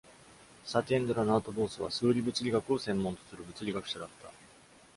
サティエンドラ・ナート・ボースは数理物理学を専門とする物理学者だった。